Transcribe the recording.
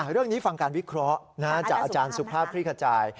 เรื่องนี้ฟังการวิเคราะห์จากอาจารย์สุภาพคลี่ขจาย